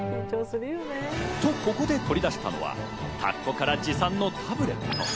と、ここで取り出したのは田子から持参のタブレット。